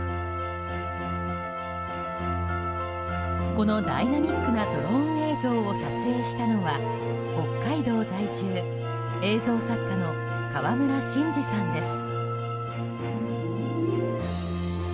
このダイナミックなドローン映像を撮影したのは北海道在住映像作家の川村伸司さんです。